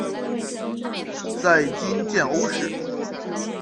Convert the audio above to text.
在今建瓯市。